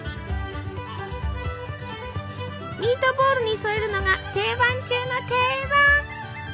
ミートボールに添えるのが定番中の定番。